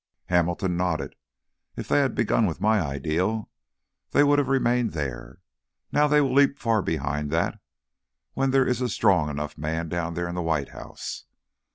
Hamilton nodded, "If they had begun with my ideal, they would have remained there. Now they will leap far behind that when there is a strong enough man down there in the White House.